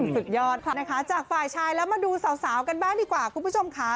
สุดยอดนะคะจากฝ่ายชายแล้วมาดูสาวกันบ้างดีกว่าคุณผู้ชมค่ะ